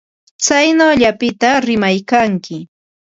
Tsaynawllapita rimaykanki.